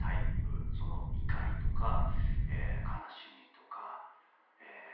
その怒りとか悲しみとかえ